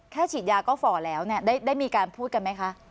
ฉีดยาก็ฝ่อแล้วได้มีการพูดกันไหมคะ